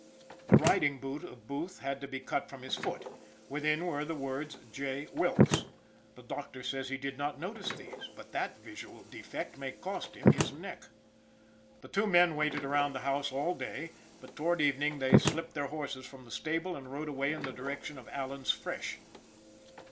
The riding boot of Booth had to be cut from his foot; within were the words "J. Wilkes." The doctor says he did not notice these, but that visual defect may cost him his neck. The two men waited around the house all day, but toward evening they slipped their horses from the stable and rode away in the direction of Allen's Fresh.